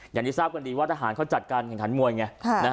อย่างที่ทราบกันดีว่าทหารเขาจัดการแข่งขันมวยไง